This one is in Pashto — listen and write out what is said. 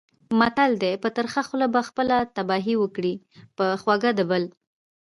متل دی: په ترخه خوله به خپله تباهي وکړې، په خوږه د بل.